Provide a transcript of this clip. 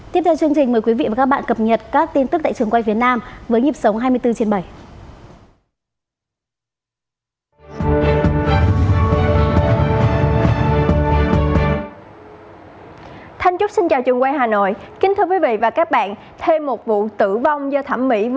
tiếp theo chương trình mời quý vị và các bạn cập nhật các tin tức tại trường quay phía nam với nhịp sống hai mươi bốn trên bảy